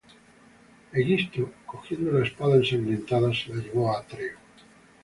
Egisto, cogiendo la espada ensangrentada, se la llevó a Atreo.